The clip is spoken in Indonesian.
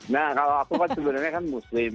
nah kalau aku kan sebenarnya kan muslim